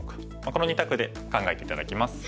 この２択で考えて頂きます。